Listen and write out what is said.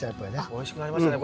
おいしくなりましたね。